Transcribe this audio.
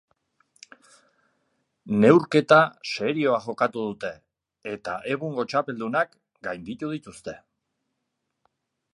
Neurketa serioa jokatu dute, eta egungo txapeldunak gainditu dituzte.